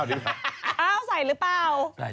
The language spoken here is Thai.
อ้าวใส่หรือเปล่า